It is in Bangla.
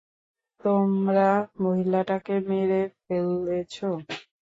তোমরা মহিলাটাকে মেরে ফেলেছ।